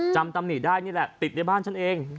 ตำหนิได้นี่แหละติดในบ้านฉันเอง